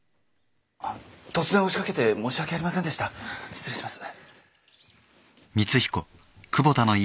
突然押し掛けて申し訳ありませんでした。失礼します。